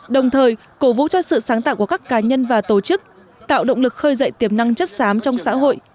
đồng thời cổ vũ cho sự sáng tạo của các cá nhân và tổ chức tạo động lực khơi dậy tiềm năng chất xám trong xã hội